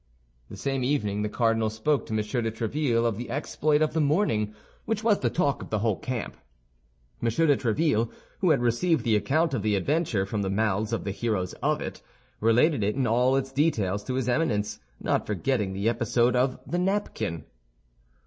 The same evening the cardinal spoke to M. de Tréville of the exploit of the morning, which was the talk of the whole camp. M. de Tréville, who had received the account of the adventure from the mouths of the heroes of it, related it in all its details to his Eminence, not forgetting the episode of the napkin.